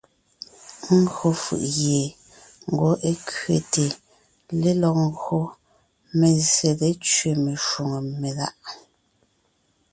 Ńgÿo fʉ̀ʼ gie ngwɔ́ é kẅéte lélɔg ńgÿo mé zsé létẅé meshwóŋè meláʼ.